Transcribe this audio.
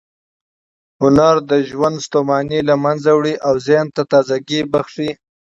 هنر د ژوند ستوماني له منځه وړي او ذهن ته تازه ګۍ بښي.